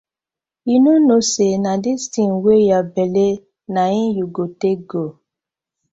Yu no kno say na di tin wey yah belle na im yu go take go.